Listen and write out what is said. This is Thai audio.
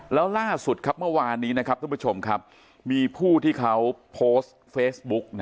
แล้วล่าสุดครับเมื่อวานนี้นะครับทุกผู้ชมครับมีผู้ที่เขาโพสต์เฟซบุ๊ก